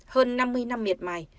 hơn năm mươi năm miệt mài